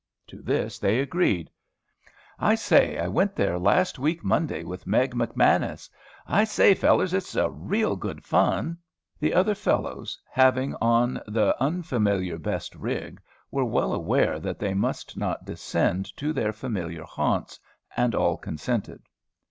To this they agreed. "I say, I went there last week Monday, with Meg McManus. I say, fellars, it's real good fun." The other fellows, having on the unfamiliar best rig, were well aware that they must not descend to their familiar haunts, and all consented.